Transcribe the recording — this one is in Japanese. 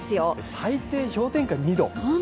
最低氷点下２度。